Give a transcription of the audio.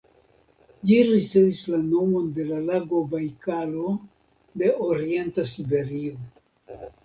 Ĝi ricevis la nomon de la lago Bajkalo de orienta siberio.